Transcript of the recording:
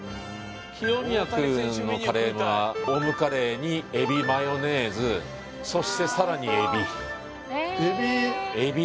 清宮くんのカレーはオムカレーにエビマヨネーズそしてさらにエビエビ追いエビ？